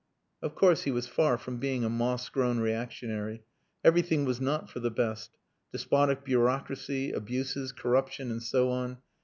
Of course he was far from being a moss grown reactionary. Everything was not for the best. Despotic bureaucracy... abuses... corruption... and so on.